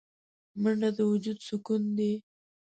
منډه د وجود سکون دی